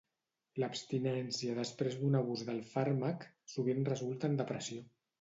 L'abstinència després d'un abús del fàrmac sovint resulta en depressió.